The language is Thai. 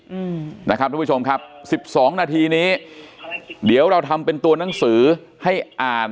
อืมนะครับทุกผู้ชมครับสิบสองนาทีนี้เดี๋ยวเราทำเป็นตัวหนังสือให้อ่าน